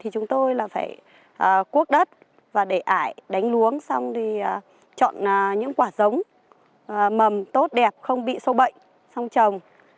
chúng tôi phải cuốc đất và để ải đánh luống xong chọn những quả giống mầm tốt đẹp không bị sâu bệnh xong trồng